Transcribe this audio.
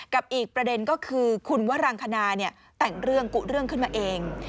กับอีกประเด็นก็คือคุณวรังคณาแต่งเรื่องกุเรื่องขึ้นมาเอง